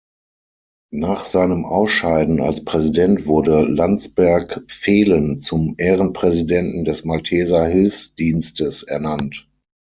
Nach seinem Ausscheiden als Präsident wurde Landsberg-Velen zum Ehrenpräsidenten des Malteser Hilfsdienstes ernannt.